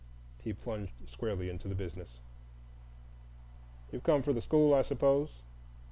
He plunged squarely into the business. "You've come for the school, I suppose.